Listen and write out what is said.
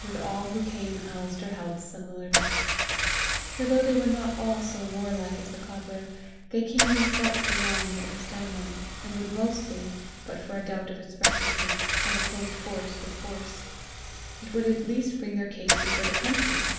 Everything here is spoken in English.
With all who came Alister held similar talk; for though they were not all so warlike as the cobbler, they keenly felt the wrong that was done them, and would mostly, but for a doubt of its rectitude, have opposed force with force. It would at least bring their case before the country!